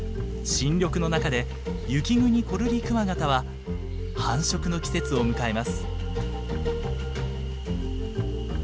新緑の中でユキグニコルリクワガタは繁殖の季節を迎えます。